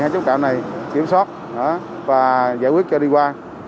một mươi hai chốt trạm này kiểm soát và giải quyết cho đi qua